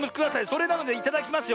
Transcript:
それなのでいただきますよ